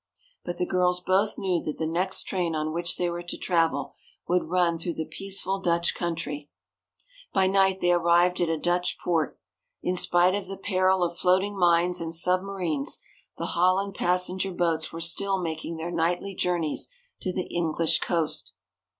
But the girls both knew that the next train on which they were to travel would run through the peaceful Dutch country. By night they arrived at a Dutch port. In spite of the peril of floating mines and submarines the Holland passenger boats were still making their nightly journeys to the English coast.